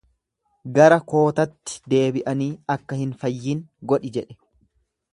Gara kootatti deebi'anii akka hin fayyin godhi jedhe.